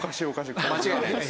間違いないです。